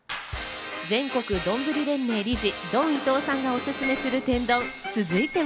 全国丼連盟理事・ドン伊藤さんがおすすめする天丼、続いては。